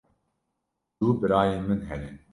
Du birayên min hene.